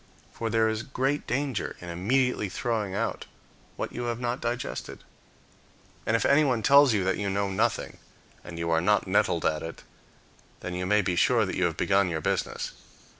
For there is great danger in immediately throwing out what you have not digested. And, if anyone tells you that you know nothing, and you are not nettled at it, then you may be sure that you have begun your business.